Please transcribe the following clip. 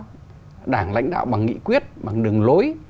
trong đó thì có đảng lãnh đạo bằng nghị quyết bằng đường lối